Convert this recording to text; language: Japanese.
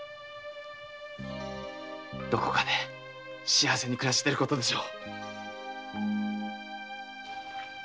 どこかで幸せに暮らしていることでしょう。